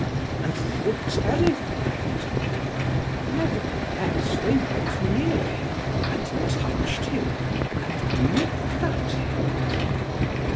And they were terrified. Nevertheless they went near him, and touched him, and looked at him.